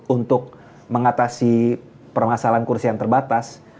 untuk mengatasi permasalahan kursi yang terbatas